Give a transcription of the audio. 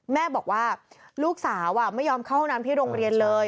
แม่บอกว่าลูกสาวไม่ยอมเข้าห้องน้ำที่โรงเรียนเลย